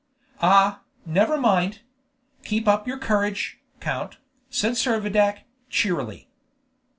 "Ah, never mind! Keep up your courage, count!" said Servadac, cheerily.